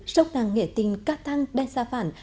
sốc năng nghĩa tình ca tăng đen xa vẳn